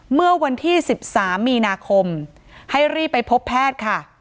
เมื่อวันที่๑๓มีนาคมให้รีบไปพบแพทย์ค่ะ